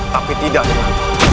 tapi tidak denganmu